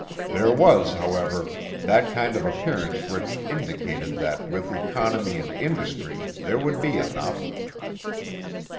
There was, however, that kind of appearance which indicated that with economy and industry, there would be enough.'